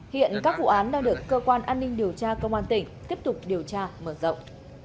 hiện các vụ án đang được cơ quan an ninh điều tra công an tỉnh tiếp tục điều tra mở rộng